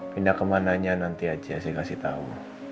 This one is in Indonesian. pindah ke mananya nanti aja saya kasih tau